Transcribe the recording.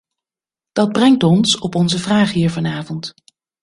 Dat brengt ons op onze vraag hier vanavond.